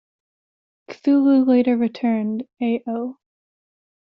Cthulu later returned, a.o.